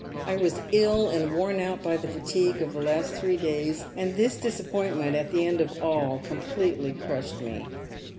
I was ill and worn out by the fatigue of the last three days, and this disappointment at the end of all completely crushed me.